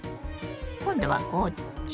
今度はこっち？